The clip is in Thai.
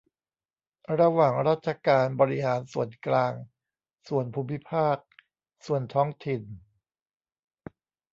ระหว่างราชการบริหารส่วนกลาง ส่วนภูมิภาค ส่วนท้องถิ่น